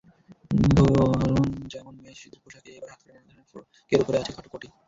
ধরন যেমনমেয়েশিশুদের পোশাকে এবার হাতাকাটা নানা ধরনের ফ্রকের ওপরে আছে খাটো কটি।